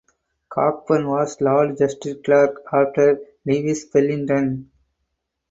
Cockburn was Lord Justice Clerk after Lewis Bellenden.